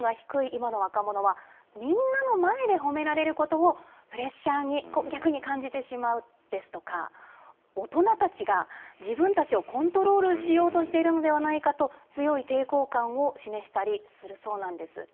今の若者はみんなの前で褒められることを、プレッシャーに逆に感じてしまうですとか、大人たちが自分たちをコントロールしようとしているのではないかと強い抵抗感を示したりするそうなんです。